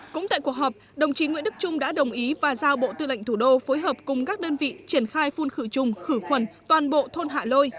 cũng tại cuộc họp đồng chí nguyễn đức trung đã đồng ý và giao bộ tư lệnh thủ đô phối hợp cùng các đơn vị triển khai phun khử trùng khử khuẩn toàn bộ thôn hạ lôi